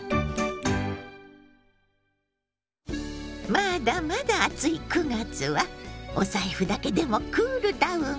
まだまだ暑い９月はお財布だけでもクールダウン！